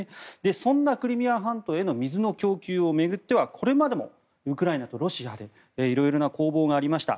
そんなクリミア半島への水の供給を巡ってはこれまでもウクライナとロシアでいろいろな攻防がありました。